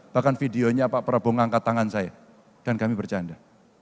bahkan videonya pak prabowo ngangkat tangan saya dan kami bercanda